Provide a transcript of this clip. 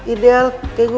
kurus lah ideal kaya gue